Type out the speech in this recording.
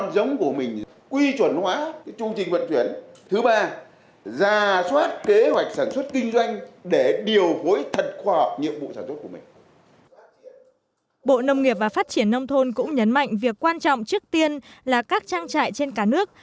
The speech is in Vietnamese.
bộ nông nghiệp và phát triển nông thôn cũng nhấn mạnh việc quan trọng trước tiên là các trang trại trên cả nước